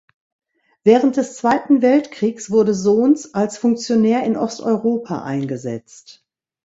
Während des Zweiten Weltkriegs wurde Sohns als Funktionär in Osteuropa eingesetzt.